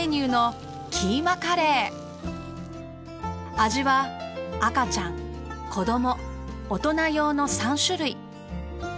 味は赤ちゃん子ども大人用の３種類。